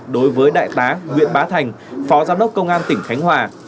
đối với đại tá nguyễn bá thành phó giám đốc công an tỉnh khánh hòa